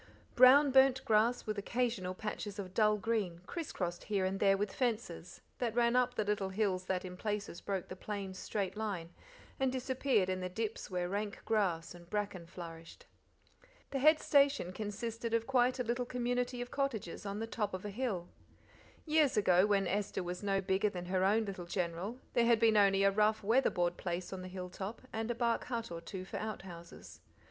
Brown burnt grass with occasional patches of dull green, criss crossed here and there with fences; that ran up the little hills that in places broke the plain's straight line, and disappeared in the dips where rank grass and bracken flourished. The head station consisted of quite a little community of cottages on the top of a hill. Years ago, when Esther was no bigger than her own little General, there had been only a rough, red weather board place on the hill top, and a bark but or two for outhouses.